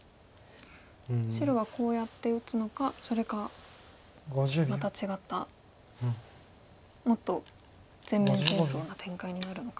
白はこうやって打つのかそれかまた違ったもっと全面戦争な展開になるのか。